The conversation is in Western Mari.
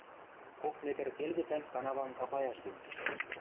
кок метр келгӹцӓн канавам капаяш гӹнь